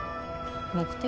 目的？